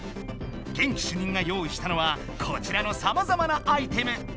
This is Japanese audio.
元気主任が用意したのはこちらのさまざまなアイテム。